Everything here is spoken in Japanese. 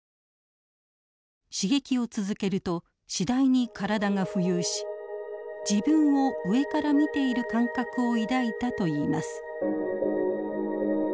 刺激を続けると次第に体が浮遊し自分を上から見ている感覚を抱いたと言います。